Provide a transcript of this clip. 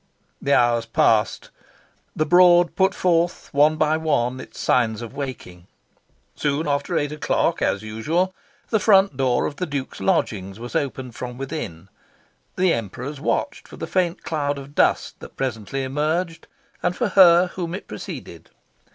The hours passed. The Broad put forth, one by one, its signs of waking. Soon after eight o'clock, as usual, the front door of the Duke's lodgings was opened from within. The Emperors watched for the faint cloud of dust that presently emerged, and for her whom it preceded.